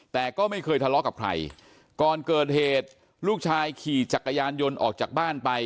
แต่ก็ไม่เคยทะเลาะกับใครก่อนเกิดเหตุลูกชายขี่จักรยานยนต์ออกจากบ้านไป